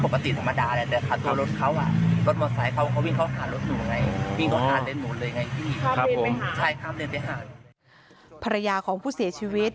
ภรรยาของผู้เสียชีวิต